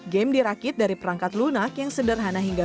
game dirakit dari perangkat lunak yang sederhana hingga